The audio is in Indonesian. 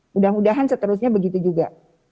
mudah mudahan seterusnya begitu juga